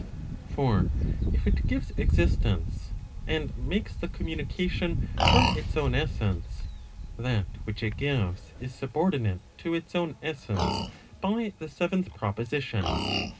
For if it gives existence, and makes the communication from its own essence, that which it gives is subordinate to its own essence [by the 7th Proposition].